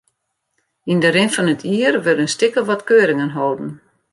Yn de rin fan it jier wurde in stik of wat keuringen holden.